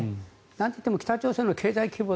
なんといっても北朝鮮の経済規模